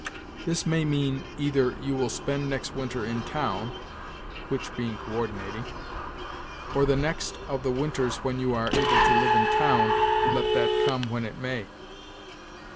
This may mean, either 'you will spend next winter in town' ('which' being coördinating), or 'the next of the winters when you are to live in town,' let that come when it may.